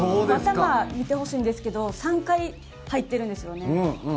頭、見てほしいんですけど３回入ってるんですね。